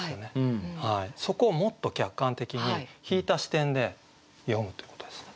そこをもっと客観的に引いた視点で詠むということですね。